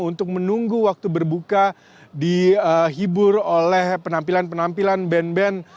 untuk menunggu waktu berbuka dihibur oleh penampilan penampilan band band